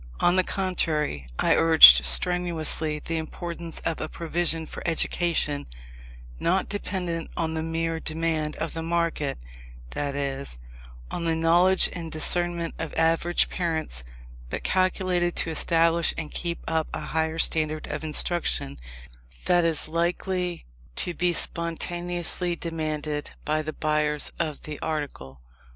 On the contrary, I urged strenuously the importance of a provision for education, not dependent on the mere demand of the market, that is, on the knowledge and discernment of average parents, but calculated to establish and keep up a higher standard of instruction than is likely to be spontaneously demanded by the buyers of the article.